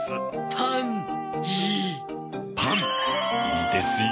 パンいいですよ。